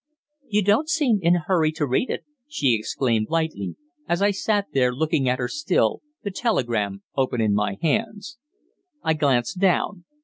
"You don't seem in a hurry to read it," she exclaimed lightly, as I sat there looking at her still, the telegram open in my hands. I glanced down.